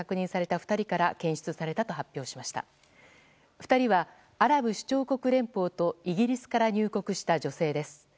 ２人はアラブ首長国連邦とイギリスから入国した女性です。